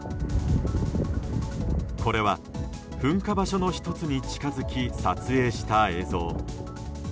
これは、噴火場所の１つに近づき撮影した映像。